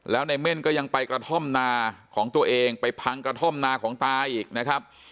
แล้วในเม่นก็ยังไปกระท่อมนาของตัวเองไปพังกระท่อมนาของตาอีกนะครับ